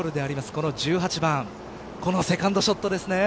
この１８番このセカンドショットですね。